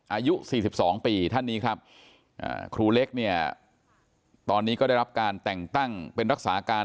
อายุ๔๒ปีท่านนี้ครับครูเล็กเนี่ยตอนนี้ก็ได้รับการแต่งตั้งเป็นรักษาการ